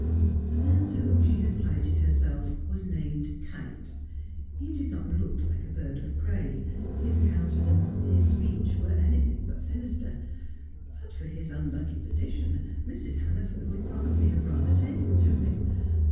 The man to whom she had plighted herself was named Kite. He did not look like a bird of prey; his countenance, his speech, were anything but sinister; but for his unlucky position, Mrs. Hannaford would probably have rather taken to him.